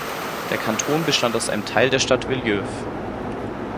Der Kanton bestand aus einem Teil der Stadt Villejuif.